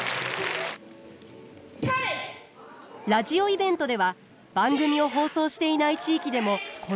ラジオイベントでは番組を放送していない地域でもこのにぎわい。